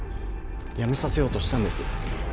やめさせようとしたんです